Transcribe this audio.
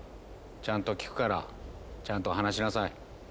ちゃんと聞くからちゃんと話しなさい。